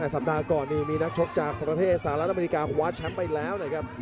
สัปดาห์ก่อนนี้มีนักชกจากประเทศสหรัฐอเมริกาคว้าแชมป์ไปแล้วนะครับ